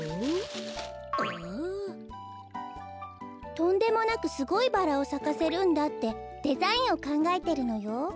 とんでもなくすごいバラをさかせるんだってデザインをかんがえてるのよ。